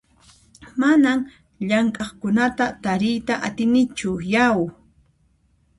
Manan llamk'aqkunata tariyta atinichu yau!